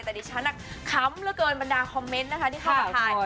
แต่ดิฉันอะคำเหลือเกินบรรดาคอมเมนต์นะคะ